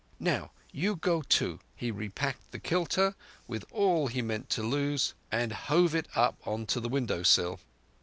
Now you go too." He repacked the kilta with all he meant to lose, and hove it up on to the windowsill.